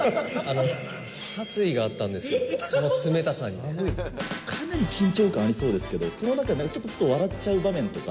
殺意があったんです、その冷かなり緊張感ありそうですけど、その中でちょっと笑っちゃう場面とか？